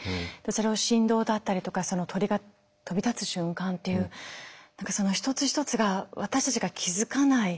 それを振動だったりとか鳥が飛び立つ瞬間っていうその一つ一つが私たちが気付かない